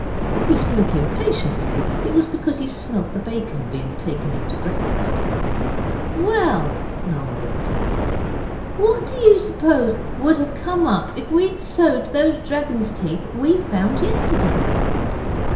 If he spoke impatiently it was because he smelt the bacon being taken in to breakfast. 'Well,' Noel went on, 'what do you suppose would have come up if we'd sowed those dragon's teeth we found yesterday?